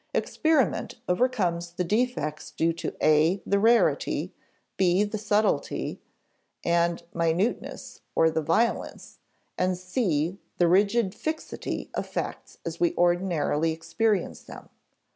Experiment overcomes the defects due to (a) the rarity, (b) the subtlety and minuteness (or the violence), and (c) the rigid fixity of facts as we ordinarily experience them.